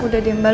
udah diem mbak